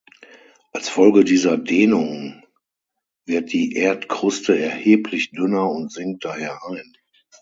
Als Folge dieser Dehnung wird die Erdkruste erheblich dünner und sinkt daher ein.